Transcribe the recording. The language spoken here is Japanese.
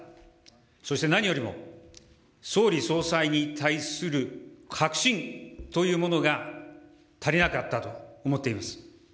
そして何よりも、総理総裁に対する確信というものが足りなかったと思っています。